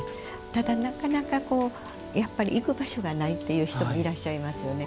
ただ、なかなかやっぱり行く場所がないっていう人がいらっしゃいますよね。